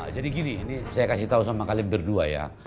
jadi gini ini saya kasih tau sama kalian berdua ya